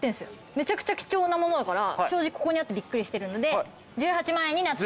めちゃくちゃ貴重なものだから正直ここにあってびっくりしてるので１８万円になってる。